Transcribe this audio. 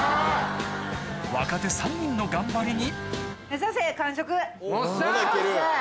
若手３人の頑張りによっしゃ！